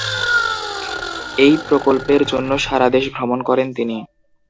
এই প্রকল্পের জন্য সারা দেশ ভ্রমণ করেন তিনি।